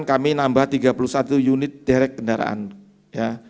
kami nambah tiga puluh satu unit direct kendaraan ya